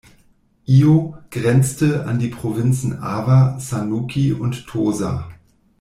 Iyo grenzte an die Provinzen Awa, Sanuki und Tosa.